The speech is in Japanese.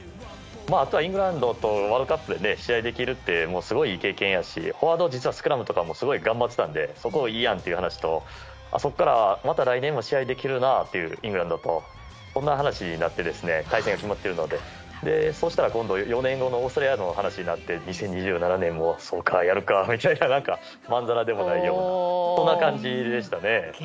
イングランドとワールドカップで試合できるってすごいいい経験やしフォワード、スクラムとかも頑張っていたのでそこ、いいやんという話とそこからまた来年もイングランドと試合できるなあという話になって今度、４年後のオーストラリアの話になって２０２７年もそうかやるかみたいなまんざらでもないようなそんな感じでした。